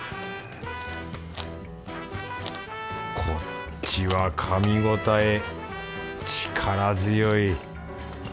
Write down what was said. こっちはかみ応え力強い。